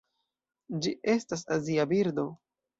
Ĝi estas azia birdo.